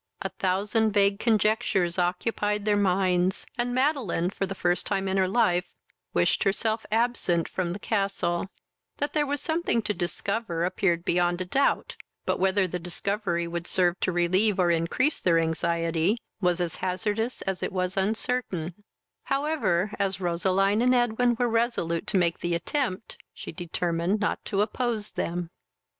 A thousand vague conjectures occupied their minds, and Madeline, for the first time in her life, wished herself absent from the castle: that there was something to discover appeared beyond a doubt; but, whether the discovery would serve to relieve or increase their anxiety, was as hazardous as it was uncertain; however, as Roseline and Edwin were resolute to make the attempt, she determined not to oppose them.